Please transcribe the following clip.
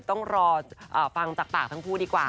ต้องรอฟังจากปากทั้งคู่ดีกว่า